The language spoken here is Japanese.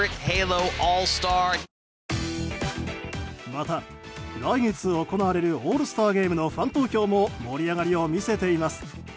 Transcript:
また、来月行われるオールスターゲームのファン投票も盛り上がりを見せています。